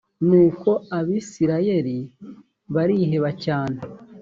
nuko abisirayeli bariheba cyane